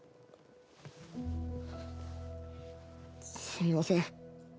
すみません。